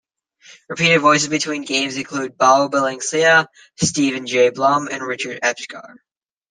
Repeated voices between games include Beau Billingslea, Steven Jay Blum and Richard Epcar.